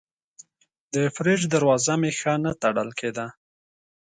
د فریج دروازه مې ښه نه تړل کېده.